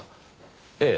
ええ。